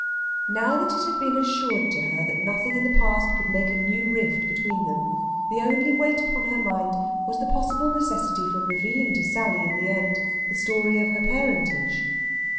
Now that it had been assured to her that nothing in the past could make a new rift between them, the only weight upon her mind was the possible necessity for revealing to Sally in the end the story of her parentage.